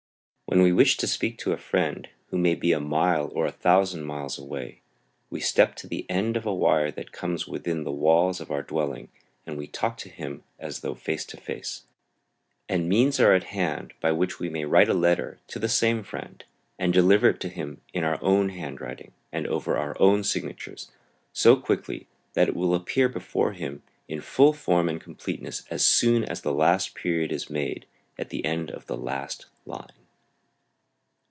When we wish to speak to a friend who may be a mile or a thousand miles away we step to the end of a wire that comes within the walls of our dwelling and we talk to him as though face to face, and means are at hand by which we may write a letter to that same friend and deliver it to him in our own handwriting and over our own signatures, so quickly that it will appear before him in full form and completeness as soon as the last period is made at the end of the last line.